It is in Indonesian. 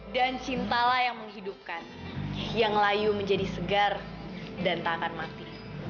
dan cintalah yang menghidupkan yang layu menjadi segar dan tak akan mati